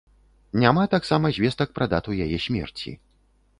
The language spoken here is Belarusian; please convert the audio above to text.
Няма таксама звестак пра дату яе смерці.